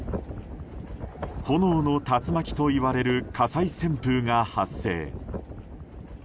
炎の竜巻といわれる火災旋風が発生。